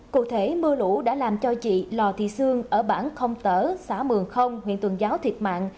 cụ thể mưa lũ đã làm cho chị lò thị sương ở bản không tở xã mường không huyện tuần giáo thiệt mạng